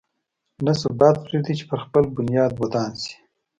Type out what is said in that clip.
نه ثبات پرېږدي چې پر خپل بنیاد ودان شي.